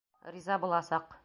Риза буласаҡ.